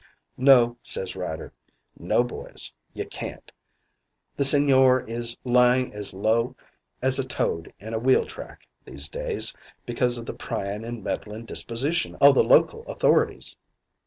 "'No,' says Ryder, 'No, boys. Ye can't. The Sigñor is lying as low as a toad in a wheeltrack these days, because o' the pryin' and meddlin' disposition o' the local authorities.